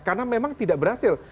karena memang tidak berhasil